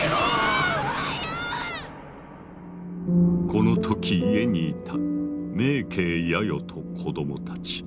この時家にいた明景ヤヨと子どもたち。